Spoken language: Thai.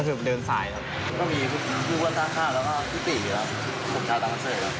นะก็มีไมนาคตจนเรียนทางให้เท่านั้น